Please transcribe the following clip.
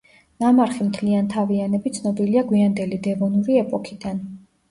ნამარხი მთლიანთავიანები ცნობილია გვიანდელი დევონური ეპოქიდან.